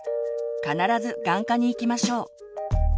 必ず眼科に行きましょう。